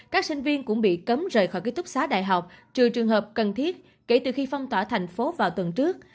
các sinh viên cũng bị cấm rời khỏi ký túc xá đại học trừ trường hợp cần thiết kể từ khi phong tỏa thành phố vào tuần trước